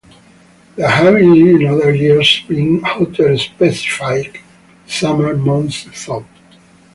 There have in other years been hotter specific summer months, though.